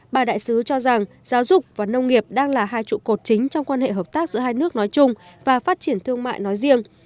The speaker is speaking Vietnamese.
bà đại sứ cho rằng giáo dục và nông nghiệp đang là hai trụ cột chính trong quan hệ hợp tác giữa hai nước nói chung và phát triển thương mại nói riêng